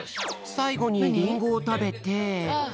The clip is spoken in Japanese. さいごにりんごをたべて。